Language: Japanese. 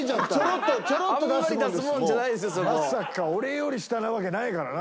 まさか俺より下なわけないからな。